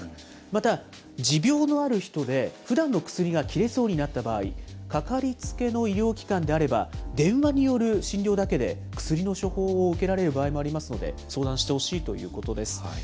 また、持病のある人でふだんの薬が切れそうになった場合、かかりつけの医療機関であれば、電話による診療だけで薬の処方を受けられる場合もありますので、相談してほしいということです。